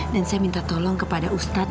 dan saya minta tolong kepada ustadz